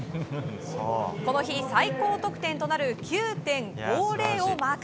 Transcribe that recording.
この日、最高得点となる９．５０をマーク。